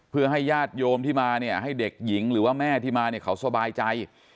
เพื่อให้ญาติโยมที่มาเนี่ยให้เด็กหญิงหรือว่าแม่ที่มาเนี่ยเขาสบายใจ